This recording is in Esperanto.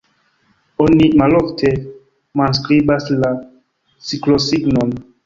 Oni malofte manskribas la siklosignon.